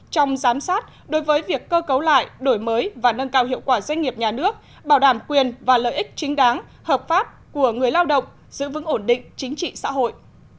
trong giám sát đối với việc cơ cấu lại đổi mới và nâng cao hiệu quả doanh nghiệp nhà nước bảo đảm quyền và lợi ích chính đáng hợp pháp của người lao động giữ vững ổn định chính trị xã hội